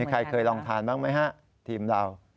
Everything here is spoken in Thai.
ใครเคยลองทานบ้างไหมฮะทีมเรา